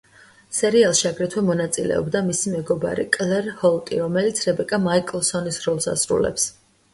სერიალში აგრეთვე მონაწილეობდა მისი მეგობარი კლერ ჰოლტი, რომელიც რებეკა მაიკლსონის როლს ასრულებს.